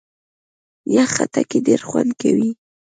یخ خټکی ډېر خوند کوي.